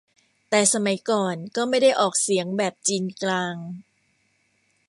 แต่สมัยก่อนก็ไม่ได้ออกเสียงแบบจีนกลาง